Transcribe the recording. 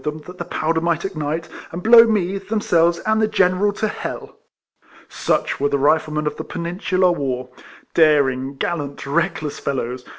159 them, that the powder might ignite, and blow me, themselves, and the General to . Such were the Riflemen of the Peninsular War, — daring, gallant, reckless fellows.